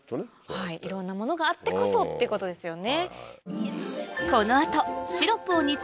はいいろんなものがあってこそってことですよね。